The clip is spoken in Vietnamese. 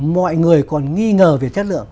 mọi người còn nghi ngờ về chất lượng